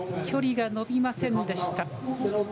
距離が伸びませんでした。